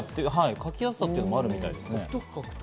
書きやすさということもあるみたいですよ。